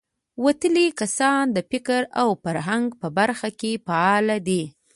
وتلي کسان د فکر او فرهنګ په برخه کې فعال دي.